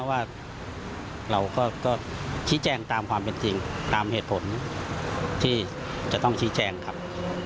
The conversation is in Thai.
ว่าเราก็ชี้แจงตามความเป็นจริงตามเหตุผลที่จะต้องชี้แจงครับ